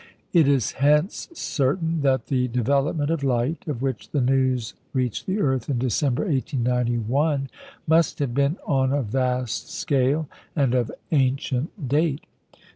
It is hence certain that the development of light, of which the news reached the earth in December, 1891, must have been on a vast scale, and of ancient date.